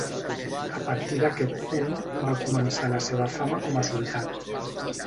A partir d'aquest punt va començar la seva fama com a soldat.